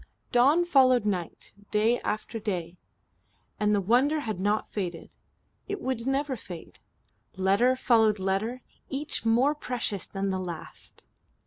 Dawn followed night, day after day, and the wonder had not faded. It would never fade. Letter followed letter, each more precious than the last.